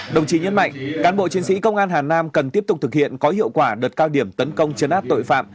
đồng chí nhấn mạnh cán bộ chiến sĩ công an hà nam cần tiếp tục thực hiện có hiệu quả đợt cao điểm tấn công chấn áp tội phạm